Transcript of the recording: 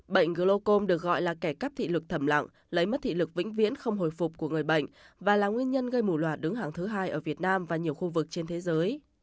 bệnh glocom được gọi là kẻ cắp thị lực thẩm lặng lấy mất thị lực vĩnh viễn không hồi phục của người bệnh và là nguyên nhân gây mù loà đứng hàng thứ hai ở việt nam và nhiều khu vực trên thế giới